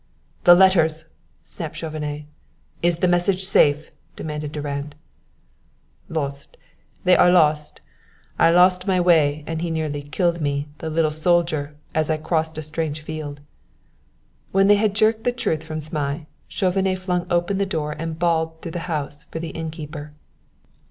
"The letters!" snapped Chauvenet. "Is the message safe?" demanded Durand. "Lost; lost; they are lost! I lost my way and he nearly killed me, the little soldier, as I crossed a strange field." When they had jerked the truth from Zmai, Chauvenet flung open the door and bawled through the house for the innkeeper.